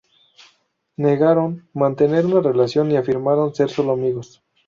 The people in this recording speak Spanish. Negaron mantener una relación y afirmaron ser solo amigos.